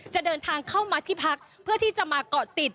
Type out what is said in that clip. จะเดินทางเข้ามาที่พักเพื่อที่จะมาเกาะติด